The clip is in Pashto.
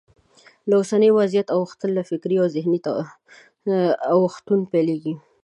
له اوسني وضعیته اوښتل له فکري او ذهني اوښتون پیلېږي.